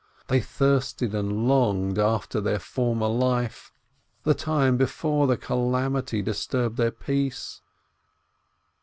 They thirsted and longed after their former life, the time before the calamity disturbed their peace.